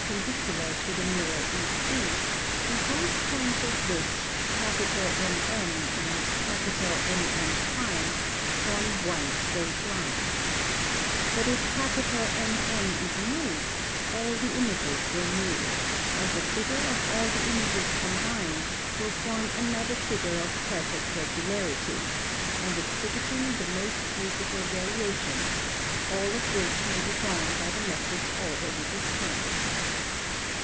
pendicular to the mirror B C, in consequence of which M N and M'N7 form one straight line; but if M N is' moved, all the images will move, and the figure of all the images comhined will form another figure of perfect regularity, and exhibiting the most beautiful variations, all of which may be drawn by the methods already described.